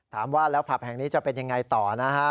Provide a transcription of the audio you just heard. ถามว่าแล้วผับแห่งนี้จะเป็นยังไงต่อนะฮะ